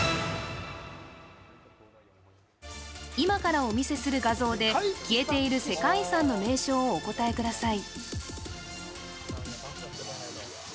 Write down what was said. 今からお見せする映像で消えている世界遺産の名称をお答えください。